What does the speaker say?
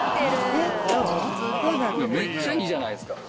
めっちゃいいじゃないですか。